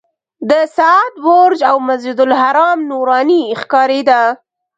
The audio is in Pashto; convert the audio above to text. د ساعت برج او مسجدالحرام نوراني ښکارېده.